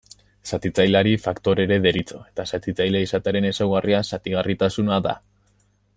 Zatitzaileari faktore ere deritzo, eta zatitzaile izatearen ezaugarria zatigarritasuna da.